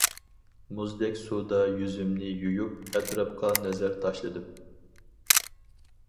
مۇزدەك سۇدا يۈزۈمنى يۇيۇپ، ئەتراپقا نەزەر تاشلىدىم!